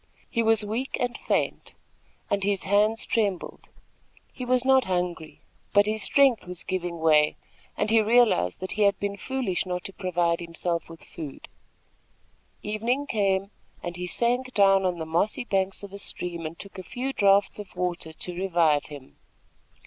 He was weak and faint, and his hands trembled. He was not hungry; but his strength was giving way, and he realized that he had been foolish not to provide himself with food. Evening came, and he sank down on the mossy banks of a stream and took a few draughts of water to revive him.